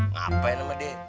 ngapain sama dia